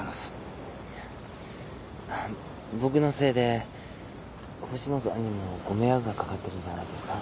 僕のせいで星野さんにもご迷惑がかかってるんじゃないですか？